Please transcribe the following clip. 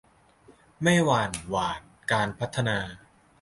ไม่หวั่นหวาดการพัฒนา